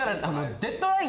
デッドライン！